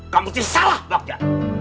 kamu salah bagja